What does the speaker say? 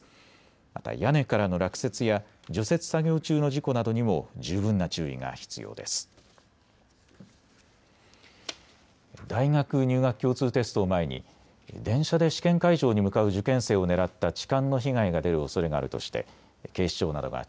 また屋根からの落雪や除雪作業中の事故などにも十分な注意が必要です。